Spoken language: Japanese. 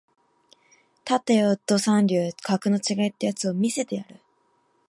立てよド三流格の違いってやつを見せてやる